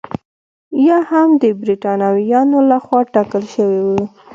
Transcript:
یا هم د برېټانویانو لخوا ټاکل شوي وو.